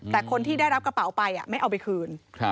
แต่คนที่ได้รับกระเป๋าไปไม่เอาไปคืน